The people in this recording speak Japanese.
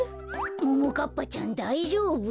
ももかっぱちゃんだいじょうぶ？